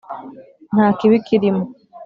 nta kibi kirimo.